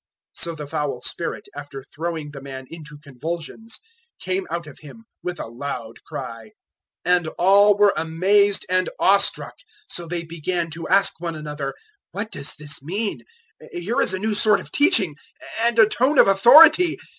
001:026 So the foul spirit, after throwing the man into convulsions, came out of him with a loud cry. 001:027 And all were amazed and awe struck, so they began to ask one another, "What does this mean? Here is a new sort of teaching and a tone of authority!